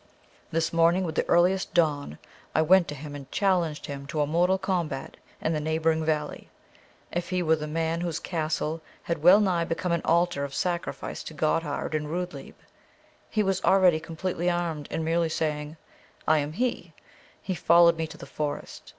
"This morning with the earliest dawn I went to him and challenged him to a mortal combat in the neighbouring valley, if he were the man whose castle had well nigh become an altar of sacrifice to Gotthard and Rudlieb. He was already completely armed, and merely saying, 'I am he,' he followed me to the forest.